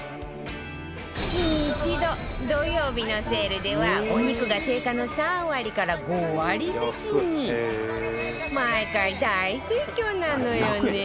月に一度、土曜日のセールではお肉が定価の３割から５割引きに毎回、大盛況なのよね